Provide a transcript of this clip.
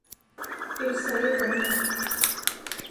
Eu sei agora.